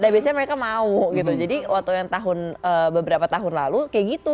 nah biasanya mereka mau gitu jadi waktu yang tahun beberapa tahun lalu kayak gitu